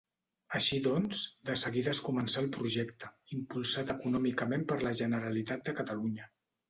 Així doncs, de seguida es començà el projecte, impulsat econòmicament per la Generalitat de Catalunya.